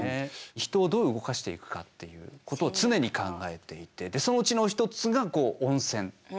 人をどう動かしていくかっていうことを常に考えていてでそのうちの一つがこう温泉だったっていうね。